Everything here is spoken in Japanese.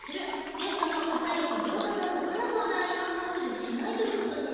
ゲストの片寄涼太さんと佳奈相談員は「削除しない」ということです。